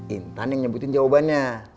intan yang nyebutin jawabannya